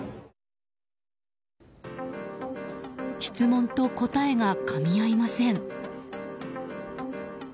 質問と答えがかみ合いません。